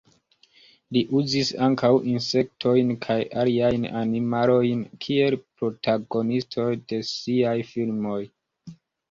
Li uzis ankaŭ insektojn kaj aliajn animalojn kiel protagonistoj de siaj filmoj.